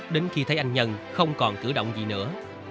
đến khi thấy anh nhân không còn cử động gì nữa